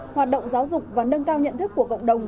hoạt động giáo dục và nâng cao nhận thức của cộng đồng